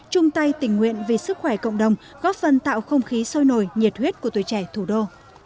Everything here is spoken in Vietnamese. chung tay tình nguyện vì sức khỏe cộng đồng góp phần tạo không khí sôi nổi nhiệt huyết của tuổi trẻ thủ đô